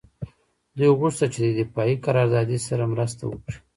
دوی غوښتل چې د دفاعي قراردادي سره مرسته وکړي